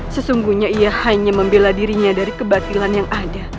sesungguhnya ia hanya membela dirinya dari kebatilan yang ada